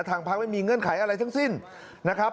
ทางพักไม่มีเงื่อนไขอะไรทั้งสิ้นนะครับ